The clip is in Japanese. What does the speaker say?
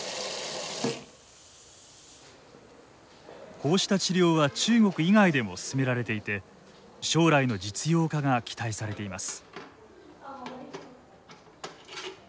こうした治療は中国以外でも進められていて将来の実用化が期待されています。